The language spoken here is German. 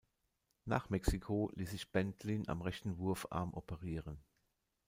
Nach Mexiko ließ sich Bendlin am rechten Wurfarm operieren.